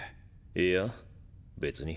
いや別に。